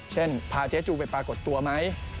พาเจ๊จูไปปรากฏตัวไหม